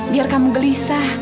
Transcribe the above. biar kamu gelisah